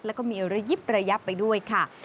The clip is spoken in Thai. แล้วก็มีอร่อยยิบระยะไปด้วยค่ะ